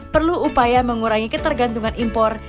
perlu upaya mengurangi ketergantungan impor